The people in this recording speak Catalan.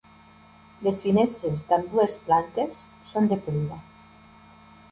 Les finestres, d'ambdues plantes, són de pedra.